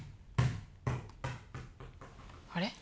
あれ？